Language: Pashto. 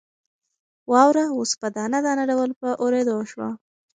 واوره اوس په دانه دانه ډول په اورېدو شوه.